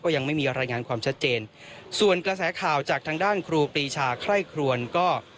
ยังไม่มีรายงานความชัดเจนส่วนกระแสข่าวจากทางด้านครูปรีชาไคร่ครวนก็